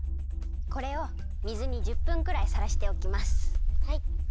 これを水に１０分くらいさらしておきます。